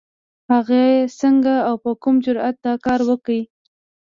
هغې څنګه او په کوم جرئت دا کار وکړ؟